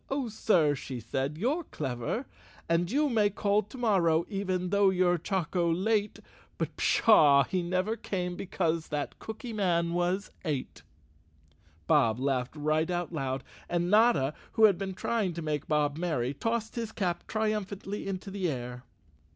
* Oh, sir,' said she, ' you're clever! 149 The Cowardly Lion of Oz _"' And you may call to morrow — Even though you're choco late! ' But pshaw! He never came, because That cooky man was ate! " Bob laughed right out loud, and Notta, who had been trying to make Bob merry, tossed his cap triumphantly into the air.